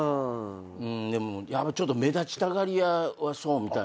ちょっと目立ちたがり屋はそうみたいなんです。